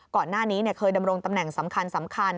ก่อนหน้านี้เคยดำรงตำแหน่งสำคัญ